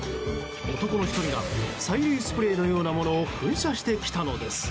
男の１人が催涙スプレーのようなものを噴射してきたのです。